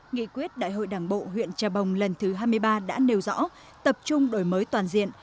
nghị quyết đại hội đảng bộ huyện trà bồng lần thứ hai mươi ba đã nêu rõ tập trung đổi mới toàn diện